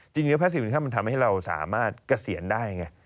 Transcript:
จริงนี้จะทำให้เรากระเสียนได้